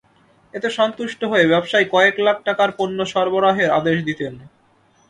এতে সন্তুষ্ট হয়ে ব্যবসায়ী কয়েক লাখ টাকার পণ্য সরবরাহের আদেশ দিতেন।